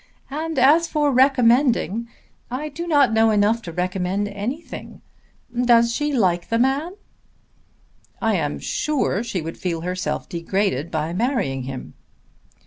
And as for recommending, I do not know enough to recommend anything. Does she like the man?" "I am sure she would feel herself degraded by marrying him."